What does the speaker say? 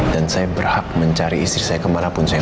dan saya berhak mencari istri saya kemana pun saya mau